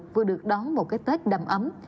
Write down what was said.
vừa được đón một cái tết đầm ấm